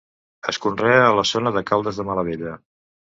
Es conrea a la zona de Caldes de Malavella.